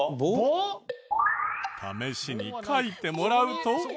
試しに書いてもらうと。